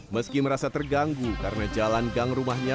meski merasa terganggu karena jalan gang rumahnya